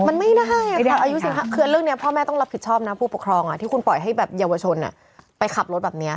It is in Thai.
มันไม่ได้อายุ๑๕คือเรื่องนี้พ่อแม่ต้องรับผิดชอบนะผู้ปกครองที่คุณปล่อยให้แบบเยาวชนไปขับรถแบบนี้